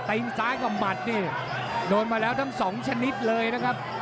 ซ้ายกับหมัดนี่โดนมาแล้วทั้งสองชนิดเลยนะครับ